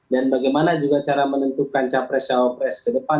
dan bagaimana juga cara menentukan capres capres ke depan